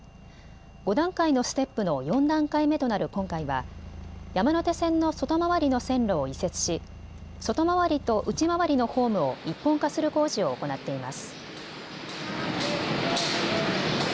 ５段階のステップの４段階目となる今回は山手線の外回りの線路を移設し外回りと内回りのホームを一本化する工事を行っています。